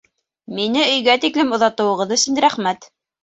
Мине өйгә тиклем оҙатыуығыҙ өсөн рәхмәт